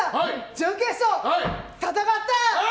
準決勝、戦った。